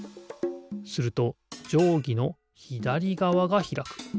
するとじょうぎのひだりがわがひらく。